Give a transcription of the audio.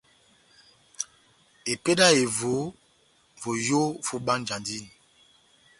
Epédi yá ehevo, voyó vobánjandini.